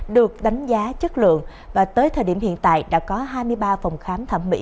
được đánh giá chất lượng và tới thời điểm hiện tại đã có hai mươi ba phòng khám thẩm mỹ